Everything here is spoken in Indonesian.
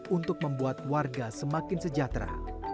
untuk membuat warga semakin sejahtera